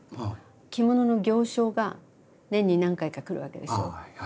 着物の行商が年に何回か来るわけですよ。